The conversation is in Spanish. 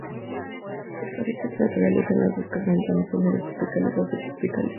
Sus hábitats naturales son los bosques montanos húmedos tropicales o subtropicales.